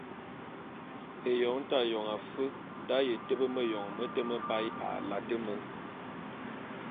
Éyoň té ayong afe d’aye tebe méyoñ mete mebae a late me.